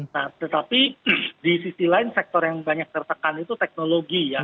nah tetapi di sisi lain sektor yang banyak tertekan itu teknologi ya